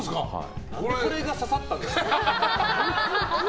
何が刺さったんですか？